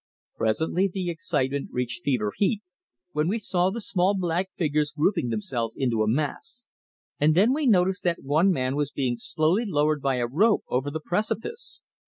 Presently the excitement reached fever heat when we saw the small black figures grouping themselves into a mass, and then we noticed that one man was being slowly lowered by a rope over the precipice.